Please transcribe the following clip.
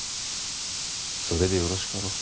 それでよろしかろう。